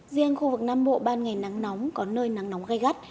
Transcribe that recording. riêng khu vực nam bộ ban ngày nắng nóng có nơi nắng nóng gai gắt